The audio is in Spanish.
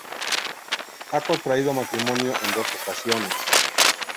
Ha contraído matrimonio en dos ocasiones.